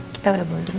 kita udah bonding